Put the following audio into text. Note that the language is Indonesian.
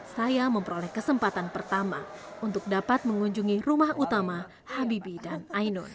saya memperoleh kesempatan pertama untuk dapat mengunjungi rumah utama habibi dan ainun